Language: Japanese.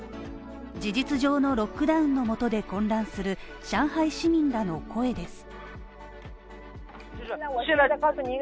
事実上のロックダウンのもとで混乱する上海市民らの声です。